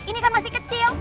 ini kan masih kecil